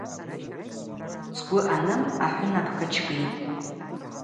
Цгвы ъаным ахӏвынап качкӏитӏ.